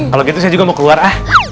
kalau gitu saya juga mau keluar ah